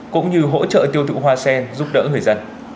cũng như hỗ trợ tiêu thụ hoa sen giúp đỡ người dân